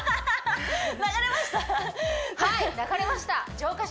はい流れました！